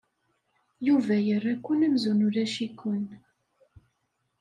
Yuba yerra-ken amzun ulac-iken.